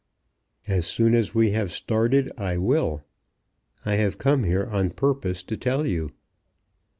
"As soon as we have started I will. I have come here on purpose to tell you."